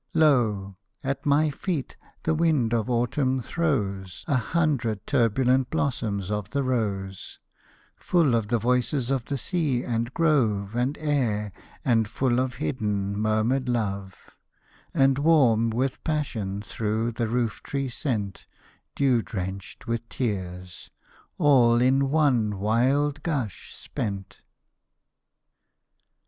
Lo, at my feet the wind of autumn throws A hundred turbulent blossoms of the rose, Full of the voices of the sea and grove And air, and full of hidden, murmured love, And warm with passion through the roof tree sent; Dew drenched with tears; all in one wild gush spent!